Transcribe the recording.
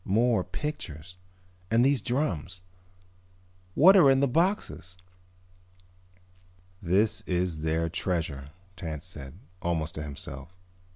"More pictures. And these drums. What are in the boxes?" "This is their treasure," Tance said, almost to himself.